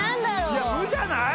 いや「無」じゃない？